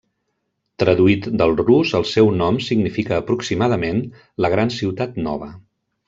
Traduït del rus, el seu nom significa aproximadament 'la gran ciutat nova'.